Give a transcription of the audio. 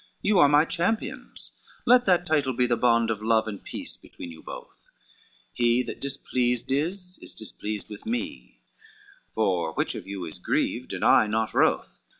You are my champions, let that title be The bond of love and peace between you both; He that displeased is, is displeased with me, For which of you is grieved, and I not wroth?"